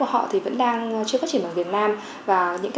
đào tạo và giáo dục